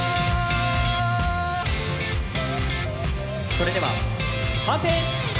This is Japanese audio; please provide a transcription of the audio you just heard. それでは判定！